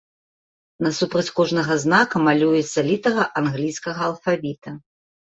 Насупраць кожнага знака малюецца літара англійскага алфавіта.